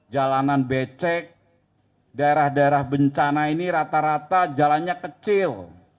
jalanan becek daerah daerah bencana ini rata rata jalannya kecil